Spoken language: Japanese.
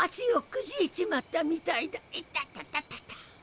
いたたたたた。